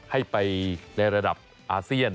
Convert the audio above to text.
ให้ไปในระดับอาเซียน